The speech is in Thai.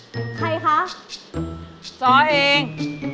ก็กลับมาเอง